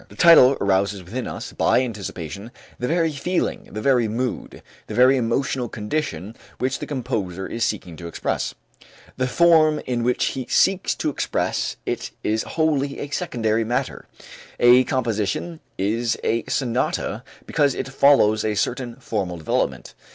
The title arouses within us, by anticipation, the very feeling, the very mood, the very emotional condition which the composer is seeking to express. The form in which he seeks to express it is wholly a secondary matter. A composition is a sonata because it follows a certain formal development.